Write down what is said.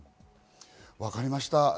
分かりました。